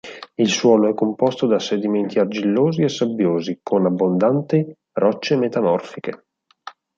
Il suolo è composto da sedimenti argillosi e sabbiosi, con abbondanti rocce metamorfiche.